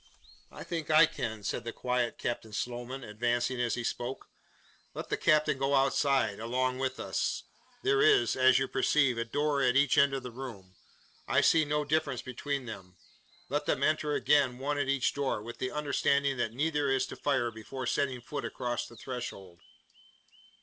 "I think. I can," said the quiet Captain Sloman, advancing as he spoke. "Let the gentlemen go outside, along with us. There is as you perceive a door at each end of the room. I see no difference between them. Let them enter again one at each door, with the understanding that neither is to fire before setting foot across the threshold."